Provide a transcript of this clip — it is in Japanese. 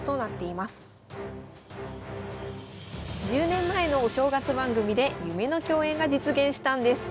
１０年前のお正月番組で夢の共演が実現したんです。